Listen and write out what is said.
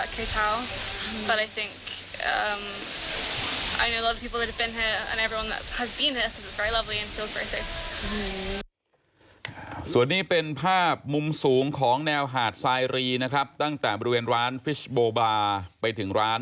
ฉันรู้ว่าทุกคนที่เกิดขึ้นเขา